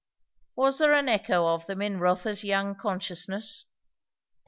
Was there an echo of them in Rotha's young consciousness?